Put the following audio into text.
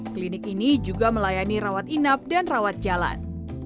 klinik ini juga melayani rawat inap dan rawat jalan